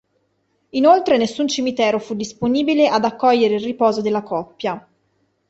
Inoltre nessun cimitero fu disponibile ad accogliere il riposo della coppia.